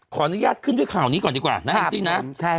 ขออนุญาตขึ้นด้วยข่าวนี้ก่อนดีกว่านะแองจี้นะ